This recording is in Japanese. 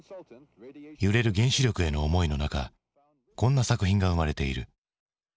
揺れる原子力への思いの中こんな作品が生まれている。